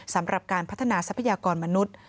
สำหรับการพัฒนาทรัพยากรมนุษย์